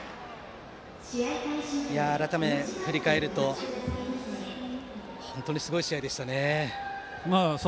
改めて振り返ると本当にすごい試合でしたね。